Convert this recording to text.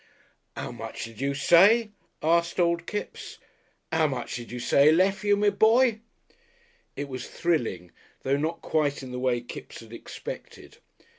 "'Ow much did you say?" asked Old Kipps. "'Ow much did you say 'ed lef' you, me b'y?" It was thrilling, though not quite in the way Kipps had expected.